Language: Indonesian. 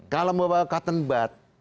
kalau bapak cotton bud